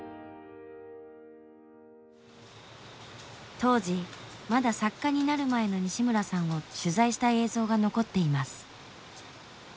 当時まだ作家になる前の西村さんを取材した映像が残っています。